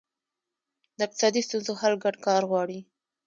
د اقتصادي ستونزو حل ګډ کار غواړي.